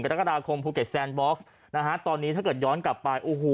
กรกฎาคมภูเก็ตแซนบ็อกซ์นะฮะตอนนี้ถ้าเกิดย้อนกลับไปโอ้โห